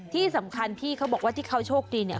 ที่สำคัญพี่เขาบอกว่าที่เขาโชคดีเนี่ย